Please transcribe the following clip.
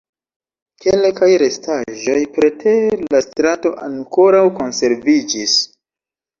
Kelkaj restaĵoj preter la strato ankoraŭ konserviĝis.